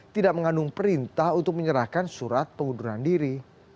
tidak mengandung perintah untuk menyerahkan surat pengunduran diri